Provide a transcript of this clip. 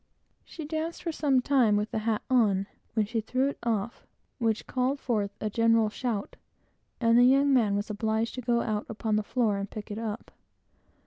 She danced for some time with the hat on, when she threw it off, which called forth a general shout; and the young man was obliged to go out upon the floor and pick it up.